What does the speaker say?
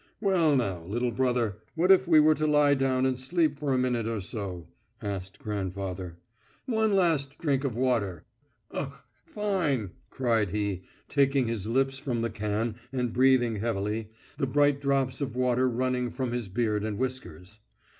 "Well now, little brother, what if we were to lie down and sleep for a minute or so?" asked grandfather. "One last drink of water. Ukh! Fine!" cried he, taking his lips from the can and breathing heavily, the bright drops of water running from his beard and whiskers.